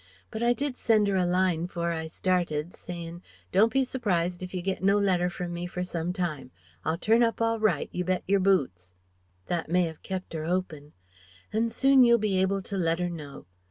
But I did send her a line 'fore I started, sayin', 'Don't be surprised if you get no letter from me for some time. I'll turn up all right, you bet your boots ' "That may 'ave kept 'er 'opin'. An' soon you'll be able to let 'er know.